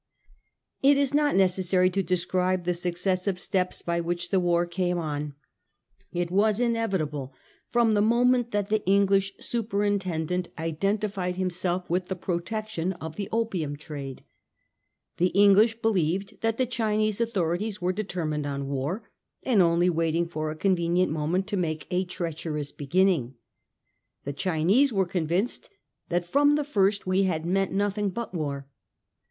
It is not necessary to describe the successive steps by which the war came on. It was inevitable from the moment that the English superintendent identi fied himself with the protection of the opium trade. The English believed that the Chinese authorities were determined on war, and only waiting for a con venient moment to make a treacherous beginning. The Chinese were convinced that from the first we had meant nothing but war.